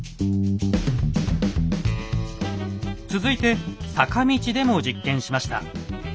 続いて坂道でも実験しました。